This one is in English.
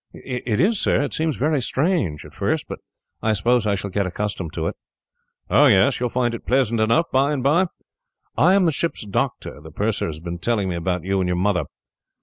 "It is, sir. It seems very strange, at first, but I suppose I shall get accustomed to it." "Oh, yes. You will find it pleasant enough, by and bye. I am the ship's doctor. The purser has been telling me about you and your mother.